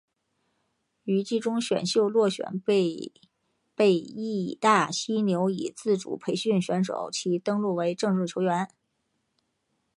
于季中选秀落选被被义大犀牛以自主培训选手其登录为正式球员。